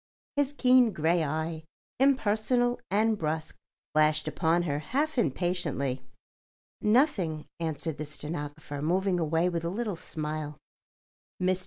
His keen grey eye, impersonal and brusque, flashed upon her half impatiently. "Nothing," answered the stenographer, moving away with a little smile. "Mr.